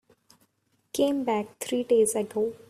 Came back three days ago.